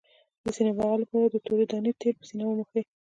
د سینې بغل لپاره د تورې دانې تېل په سینه ومښئ